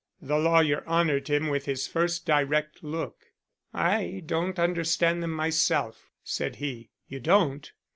The lawyer honored him with his first direct look. "I don't understand them myself," said he. "You don't?"